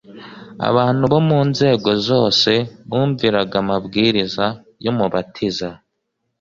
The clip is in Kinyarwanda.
Abantu bo mu nzego zose bumviraga amabwiriza y'Umubatiza